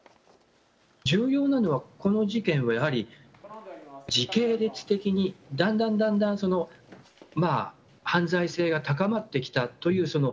重要なのはこの事件は時系列的にだんだんだんだん、犯罪性が高まってきたという。